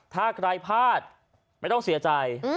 ถ้าใครพลาดไม่ต้องเสียใจ